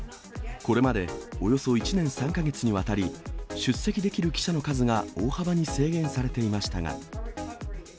これまでおよそ１年３か月にわたり、出席できる記者の数が大幅に制限されていましたが。